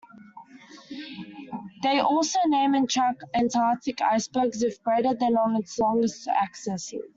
They also name and track Antarctic icebergs if greater than on its longest axis.